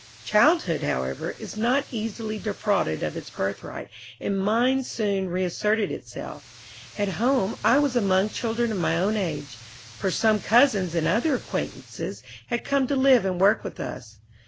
Childhood, however, is not easily defrauded of its birthright, and mine soon reasserted itself. At home I was among children of my own age, for some cousins and other acquaintances had come to live and work with us.